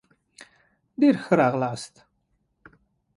ډېر ښه راغلاست